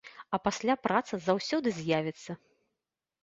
А пасля праца заўсёды з'явіцца.